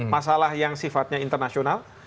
masalah yang sifatnya internasional